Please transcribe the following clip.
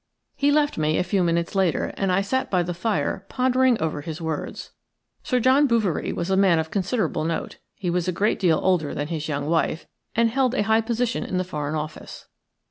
He left me a few minutes later, and I sat by the fire pondering over his words. Sir John Bouverie was a man of considerable note. He was a great deal older than his young wife, and held a high position in the Foreign Office.